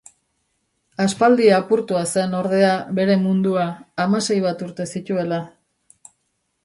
Aspaldi apurtua zen, ordea, bere mundua, hamasei bat urte zituela.